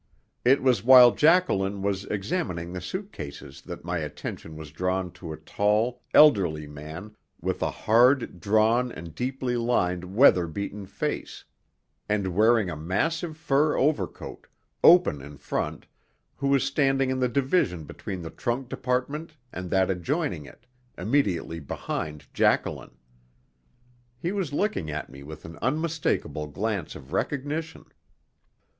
It was while Jacqueline was examining the suitcases that my attention was drawn to a tall, elderly man with a hard, drawn, and deeply lined weather beaten face, and wearing a massive fur overcoat, open in front, who was standing in the division between the trunk department and that adjoining it, immediately behind Jacqueline. He was looking at me with an unmistakable glance of recognition.